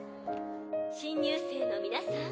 新入生の皆さん